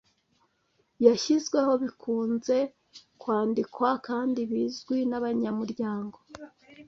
yashyizweho bikunze kwandikwa kandi bizwi nabanyamuryango